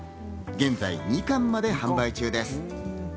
現在２巻まで販売中です。